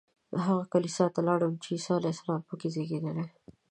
هغه کلیسا ته لاړو چې عیسی علیه السلام په کې زېږېدلی.